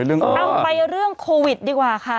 เอาไปเรื่องโควิดดีกว่าค่ะ